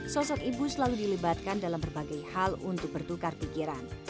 sosok ibu selalu dilibatkan dalam berbagai hal untuk bertukar pikiran